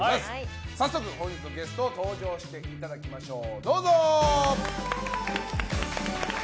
早速、本日のゲスト登場していただきましょう。